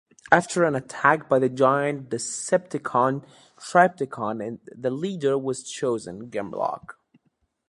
After an attack by the giant Decepticon Trypticon the leader was chosen - Grimlock.